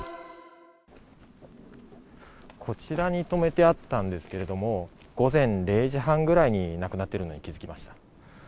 こちらに止めてあったんですけれども、午前０時半ぐらいになくなっているのに気付きました。